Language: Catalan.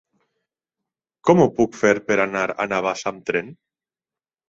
Com ho puc fer per anar a Navàs amb tren?